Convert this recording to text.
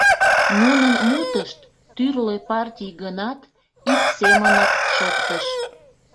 Нунын мутышт, тӱрлӧ партий гынат, ик семынак шоктыш.